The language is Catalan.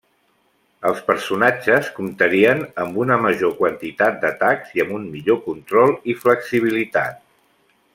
Els personatges comptarien amb una major quantitat d'atacs i amb un millor control i flexibilitat.